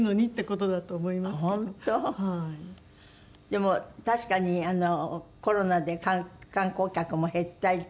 でも確かにコロナで観光客も減ったりとか。